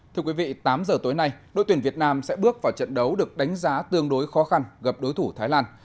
thưa quý vị tám giờ tối nay đội tuyển việt nam sẽ bước vào trận đấu được đánh giá tương đối khó khăn gặp đối thủ thái lan